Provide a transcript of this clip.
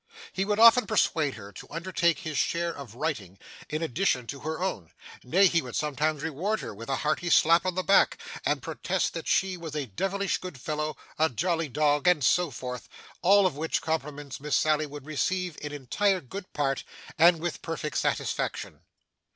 He would often persuade her to undertake his share of writing in addition to her own; nay, he would sometimes reward her with a hearty slap on the back, and protest that she was a devilish good fellow, a jolly dog, and so forth; all of which compliments Miss Sally would receive in entire good part and with perfect satisfaction.